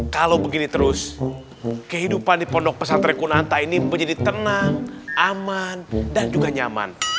kalau begini terus kehidupan di pondok pesantren kunanta ini menjadi tenang aman dan juga nyaman